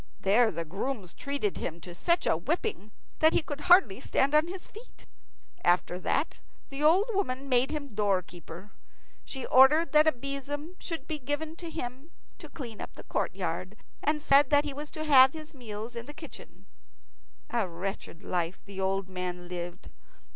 There the grooms treated him to such a whipping that he could hardly stand on his feet. After that the old woman made him doorkeeper. She ordered that a besom should be given him to clean up the courtyard, and said that he was to have his meals in the kitchen. A wretched life the old man lived.